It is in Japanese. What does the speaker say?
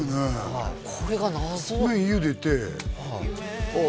はいこれが謎麺ゆでてああ